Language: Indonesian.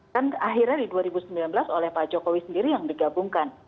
kan akhirnya di dua ribu sembilan belas oleh pak jokowi sendiri yang digabungkan